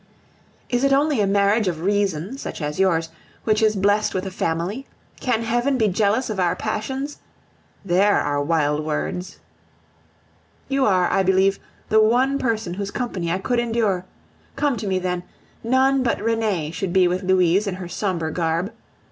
Is it only a marriage of reason, such as yours, which is blessed with a family? Can Heaven be jealous of our passions? There are wild words. You are, I believe, the one person whose company I could endure. Come to me, then; none but Renee should be with Louise in her sombre garb.